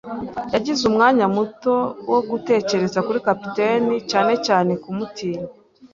yagize umwanya muto wo gutekereza kuri capitaine, cyane cyane kumutinya.